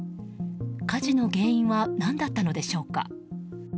火事の原因は何だったのでしょうか。